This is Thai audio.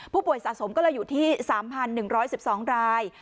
ผู้ป่วยสะสมก็ละอยู่ที่๓๑๑๒ราย